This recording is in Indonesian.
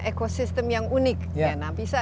ekosistem yang unik ya nah bisa